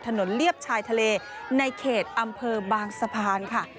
เลียบชายทะเลในเขตอำเภอบางสะพานค่ะ